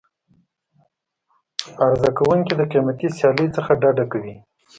عرضه کوونکي د قیمتي سیالۍ څخه ډډه کوي.